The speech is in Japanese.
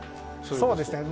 そうですね。